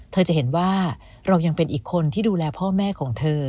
เธอจะเห็นว่าเรายังเป็นอีกคนที่ดูแลพ่อแม่ของเธอ